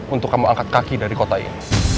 untuk kamu angkat kaki dari kota ini